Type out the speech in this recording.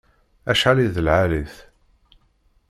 Acḥal i d lɛali-t!